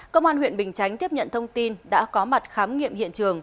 công an huyện bình chánh tiếp nhận thông tin đã có mặt khám nghiệm hiện trường